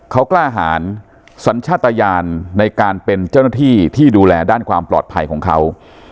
เขากล้าหารสัญชาติยานในการเป็นเจ้าหน้าที่ที่ดูแลด้านความปลอดภัยของเขา